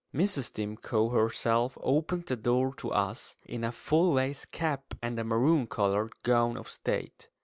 Mrs. Stimcoe herself opened the door to us, in a full lace cap and a maroon coloured gown of state.